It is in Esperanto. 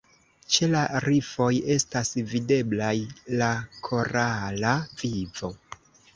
Ĉe la rifoj estas videblaj la korala vivo.